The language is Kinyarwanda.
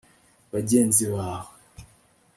bagenzi bawe